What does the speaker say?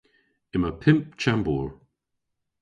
Yma pymp chambour.